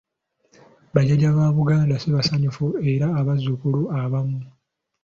Bajjajja ba Buganda si basanyufu eri abazzukulu abamu.